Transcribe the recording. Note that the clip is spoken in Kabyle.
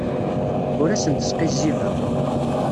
Ur asent-sqizzibeɣ.